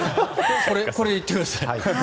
これで行ってください。